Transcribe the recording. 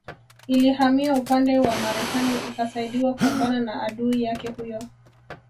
Ilihamia upande wa Marekani ikasaidiwa kupambana na adui yake huyo